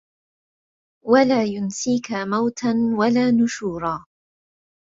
وَلَا يُنْسِيك مَوْتًا وَلَا نُشُورًا